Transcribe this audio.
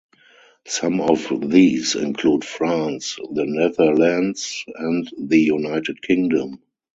Some of these include France, the Netherlands, and the United Kingdom.